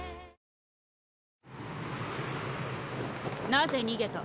なぜ逃げた？